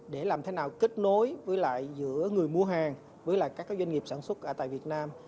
để làm thế nào kết nối với lại giữa người mua hàng với các doanh nghiệp sản xuất tại việt nam